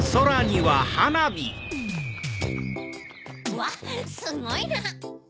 わっすごいな。